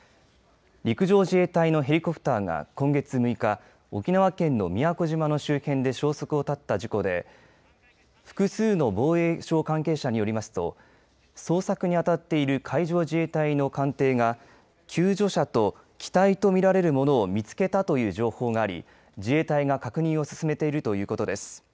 陸上自衛隊のヘリコプターが今月６日沖縄県の宮古島の周辺で消息を絶った事故で複数の防衛省関係者によりますと捜索に当たっている海上自衛隊の艦艇が救助者と機体と見られるものを見つけたという情報があり自衛隊が確認を進めているということです。